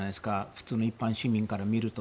普通の一般市民から見ると。